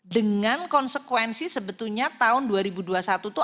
dengan konsekuensi sebetulnya tahun dua ribu dua puluh satu itu